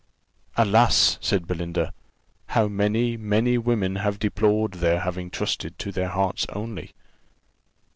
"Alas!" said Belinda, "how many, many women have deplored their having trusted to their hearts only."